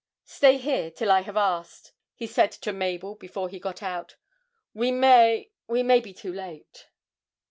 'Stay here, till I have asked,' he said to Mabel before he got out, 'we may we may be too late.'